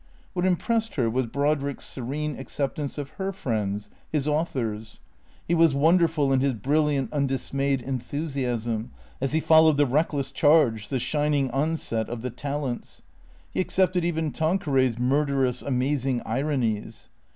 WTiat impressed her was Brodrick's serene acceptance of her friends, his authors. He was wonderful in his brilliant, undis mayed enthusiasm, as he followed the reckless charge, the shin ing onset of the talents. He accepted even Tanqueray's mur derous, amazing ironies.